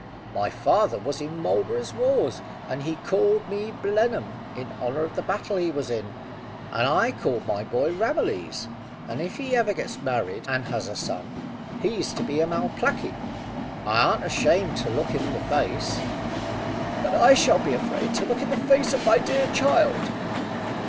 My father was in Marlborough's wars, and he called me Blenheim, in honour of the battle he was in; and I called my boy Ramillies, and if ever he gets married, and has a son, he's to be Malplackey. I arn't ashamed to look him in the face." "But I shall be afraid to look in the face of my dear child."